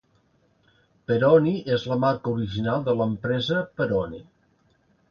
"Peroni" és la marca original de l'empresa Peroni.